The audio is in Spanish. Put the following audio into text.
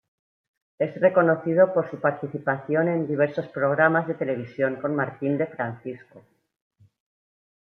Es reconocido por su participación en diversos programas de televisión con Martín de Francisco.